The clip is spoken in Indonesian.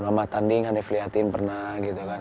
mama tanding hanif liatin pernah gitu kan